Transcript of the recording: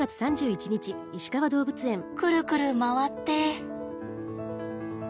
くるくる回って。